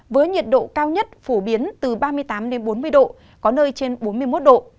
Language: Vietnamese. với nhiệt độ cao nhất phổ biến từ ba mươi tám đến bốn mươi độ có nơi trên bốn mươi một độ